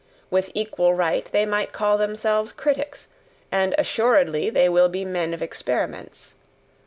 With equal right they might call themselves critics, and assuredly they will be men of experiments.